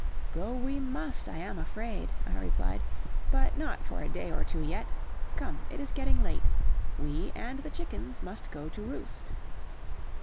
"Go we must, I am afraid," I replied, "but not for a day or two yet. Come, it is getting late. We and the chickens must go to roost."